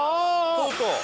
とうとう！